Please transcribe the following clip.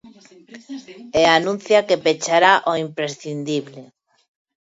E anuncia que pechará o imprescindible.